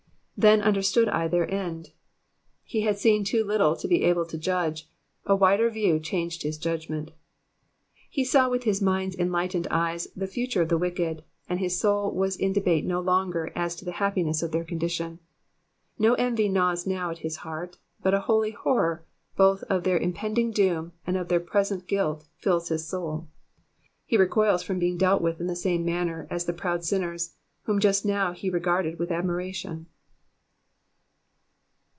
Th^n understood I their end.'^ He had seen too little to be able to judge ; a wider view changed his judgment ; he saw with his mind's enlightened eye the future of the wicked, and his soul was in debate no longer as to the happiness of their condition. No envy gnaws now at his heart, but a holy horror both of their impending doom, and of their present guilt, fills this soul. He recoils from being dealt with in the same manner as the proud sinners, whom just now he regarded with admiration.